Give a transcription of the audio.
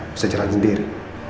bisa jalan sendiri